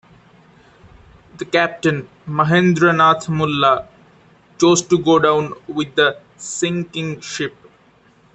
The captain, Mahendra Nath Mulla, chose to go down with the sinking ship.